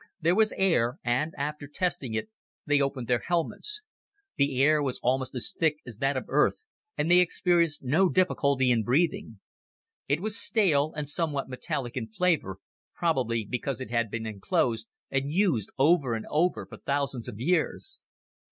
There was air, and, after testing it, they opened their helmets. The air was almost as thick as that of Earth, and they experienced no difficulty in breathing. It was stale and somewhat metallic in flavor, probably because it had been enclosed and used over and over for thousands of years.